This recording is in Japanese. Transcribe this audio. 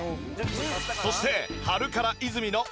そして。